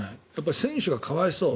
選手が可哀想。